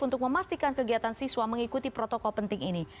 untuk memastikan kegiatan siswa mengikuti protokol penting ini